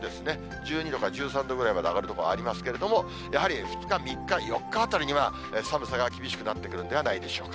１２度から１３度ぐらいまで上がる所ありますけれども、やはり２日、３日、４日あたりには、寒さが厳しくなってくるんではないでしょうか。